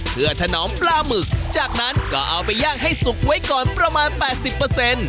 เพื่อถนอมปลาหมึกจากนั้นก็เอาไปย่างให้สุกไว้ก่อนประมาณ๘๐